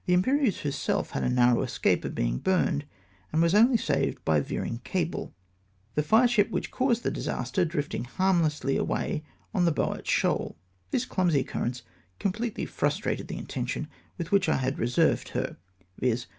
The Imjyerieuse herself had a narrow escape of being bm ned, and was only saved by veering cable ; the fireship which caused the disaster drifting harmlessly away on the Boyart Shoal." Tliis clumsy occmTence completely frustrated the intention with which I had reserved her, viz.